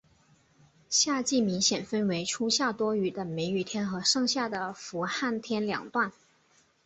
夏季明显分为初夏多雨的梅雨天和盛夏的伏旱天两段。